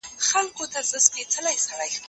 زه هره ورځ سړو ته خواړه ورکوم،